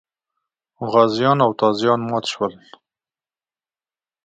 غازیان او تازیان مات شول.